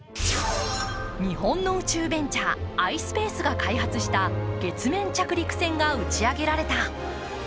日本の宇宙ベンチャー、ｉｓｐａｃｅが開発した月面着陸船が打ち上げられた。